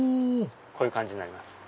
こういう感じになります。